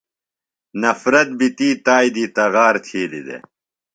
نفرت بیۡ تھی تائی دی تغار تِھیلیۡ دےۡ۔